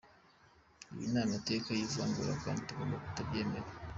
Ibi ni amateka y’ivangura kandi tugoma kutabyemera.